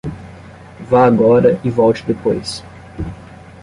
Vá agora e volte depois.